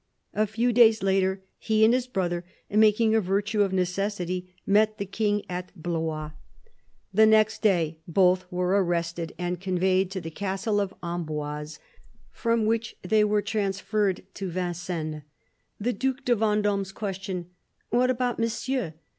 A few days later, he and his brother, " making a virtue of necessity," met the King at Blois. The next day, both 172 CARDINAL DE RICHELIEU were arrested and conveyed to the castle of Amboise, from which they were transferred to Vincennes. The Due de Venddme's question — "What about Monsieur?